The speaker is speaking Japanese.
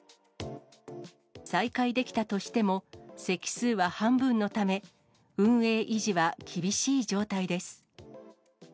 再開できたとしても、席数は半分のため、運営維持は厳しい状態です。